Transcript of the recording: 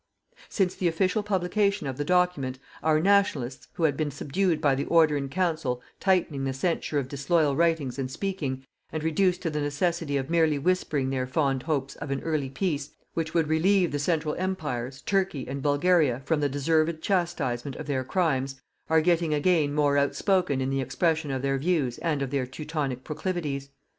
Since the official publication of the document, our Nationalists, who had been subdued by the Order in Council tightening the censure of disloyal writings and speaking, and reduced to the necessity of merely whispering their fond hopes of an early peace which would relieve the Central Empires, Turkey and Bulgaria from the deserved chastisement of their crimes, are getting again more outspoken in the expression of their views and of their Teutonic proclivities.